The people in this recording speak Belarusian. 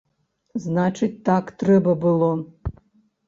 Значыць так трэба было!